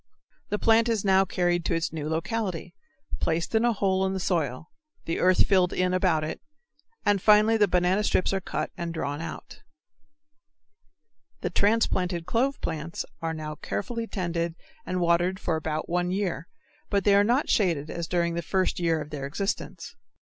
The plant is now carried to its new locality, placed in a hole in the soil, the earth filled in about it, and finally the banana strips are cut and drawn out. The transplanted clove plants are now carefully tended and watered for about one year, but they are not shaded as during the first year of their existence.